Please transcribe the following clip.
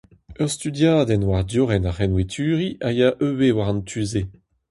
Ur studiadenn war diorren ar c'henweturiñ a ya ivez war an tu-se.